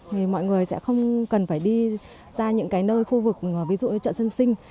thì mọi người sẽ không cần phải đi ra những cái nơi khu vực ví dụ như chợ dân sinh